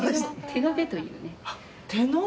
手延べというね。